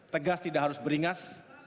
tegas tidak harus beringas